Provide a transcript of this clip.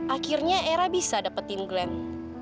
akhirnya era bisa dapetin glenn